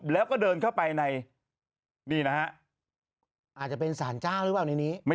แล้วก็เดินเข้าไปในนี่น่ะฮะจะเป็นสารหรือเปล่าในนี้ไม่